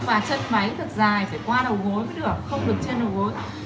và chân máy thật dài phải qua đầu gối mới được không được trên đầu gối